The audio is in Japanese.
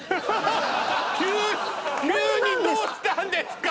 急急にどうしたんですか！？